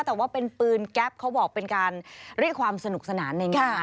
แต่ว่าเป็นปืนแก๊ปเขาบอกเป็นการเรียกความสนุกสนานในงาน